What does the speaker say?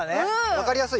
分かりやすいよ。